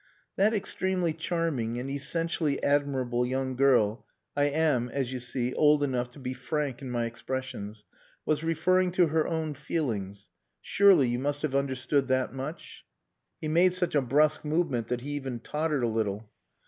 "That extremely charming and essentially admirable young girl (I am as you see old enough to be frank in my expressions) was referring to her own feelings. Surely you must have understood that much?" He made such a brusque movement that he even tottered a little.